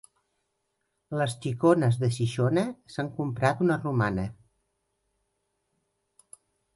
Les xicones de Xixona s'han comprat una romana.